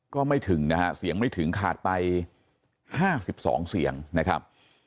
ก็ไม่ถึงนะฮะเสียงไม่ถึงขาดไป๕๒เสียงนะครับ